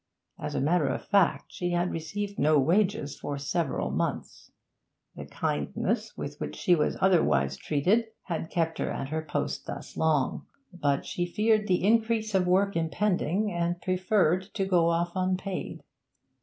As a matter of fact, she had received no wages for several months; the kindness with which she was otherwise treated had kept her at her post thus long, but she feared the increase of work impending, and preferred to go off unpaid.